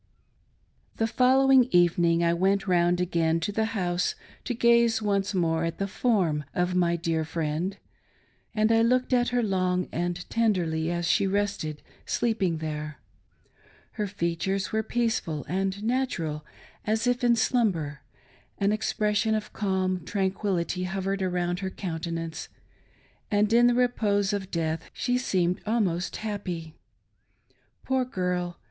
THE following evening I went round again to the house, to gaze once more at the form of my dear friend. She war lying in her coiifin, dressed for the grave, and 1 looked at her long and tenderly as she rested sleeping there. Her features were peaceful and natural as if in slumber ; an expression of calm tranquility hovered around her countenance, and in the repose of death she seemed almost happy. Poor girl